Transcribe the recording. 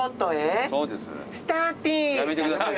やめてください。